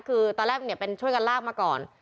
คือตอนแรกเป็นช่วยกันลากมาก่อน